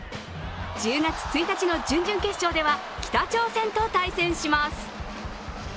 １０月１日の準々決勝では北朝鮮と対戦します。